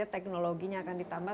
teknologinya akan ditambah